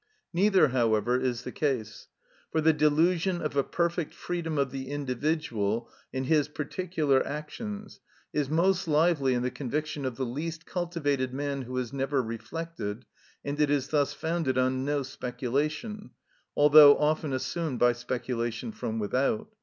Neither, however, is the case. For the delusion of a perfect freedom of the individual in his particular actions is most lively in the conviction of the least cultivated man who has never reflected, and it is thus founded on no speculation, although often assumed by speculation from without.